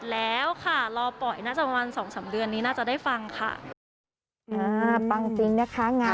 แล้วก็ซิงเกิลใหม่อัดเสร็จแล้วค่ะ